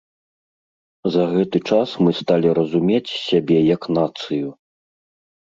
За гэты час мы сталі разумець сябе як нацыю.